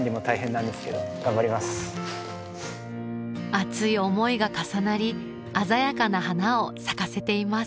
熱い思いが重なり鮮やかな花を咲かせています